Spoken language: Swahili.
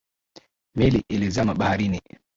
Meli ilizama baharini